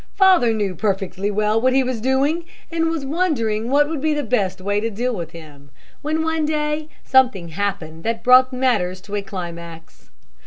Father knew perfectly well what he was doing, and was wondering what would be the best way to deal with him, when one day something happened that brought matters to a climax.